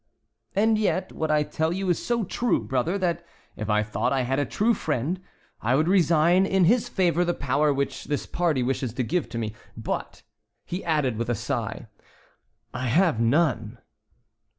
"And yet what I tell you is so true, brother, that if I thought I had a true friend, I would resign in his favor the power which this party wishes to give me; but," he added with a sigh, "I have none."